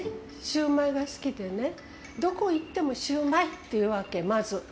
シューマイが好きでねどこへ行っても「シューマイ」って言うわけまず。